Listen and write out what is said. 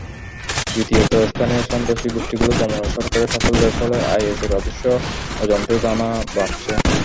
দ্বিতীয়ত, স্থানীয় সন্ত্রাসী গোষ্ঠীগুলো দমনে সরকারের সাফল্যের ফলে আইএসের আদর্শ অজান্তেই দানা বাঁধছে।